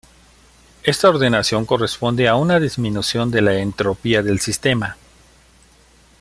Esta ordenación corresponde a una disminución de la entropía del sistema.